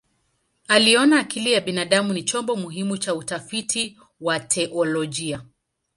Aliona akili ya binadamu ni chombo muhimu cha utafiti wa teolojia.